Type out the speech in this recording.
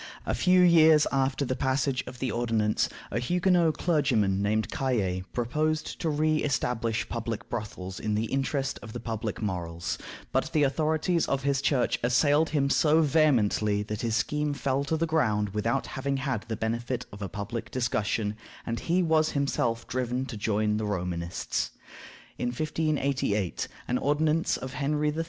A few years after the passage of the ordinance, a Huguenot clergyman named Cayet proposed to re establish public brothels in the interest of the public morals, but the authorities of his Church assailed him so vehemently that his scheme fell to the ground without having had the benefit of a public discussion, and he was himself driven to join the Romanists. In 1588 an ordinance of Henry III.